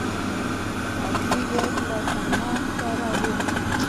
اصلي واک له سنا سره و.